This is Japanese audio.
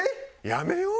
やめようよ。